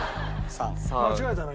間違えたの？